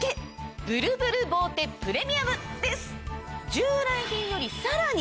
従来品よりさらに。